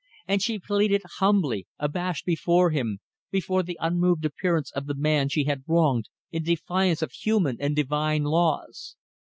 And she pleaded humbly abashed before him, before the unmoved appearance of the man she had wronged in defiance of human and divine laws.